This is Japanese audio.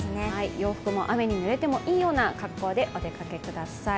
洋服も雨に濡れてもいいような格好でお出かけください。